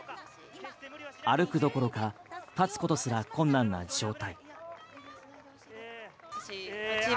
歩くどころか立つことすら困難な状態。